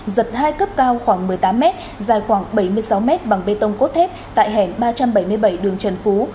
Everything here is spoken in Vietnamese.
giật hai cấp cao khoảng một mươi tám m dài khoảng bảy mươi sáu mét bằng bê tông cốt thép tại hẻm ba trăm bảy mươi bảy đường trần phú